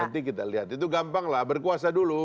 nanti kita lihat itu gampang lah berkuasa dulu